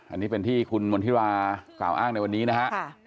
อันนี้เป็นที่คุณมณฑิรากล่าวอ้างในวันนี้นะฮะ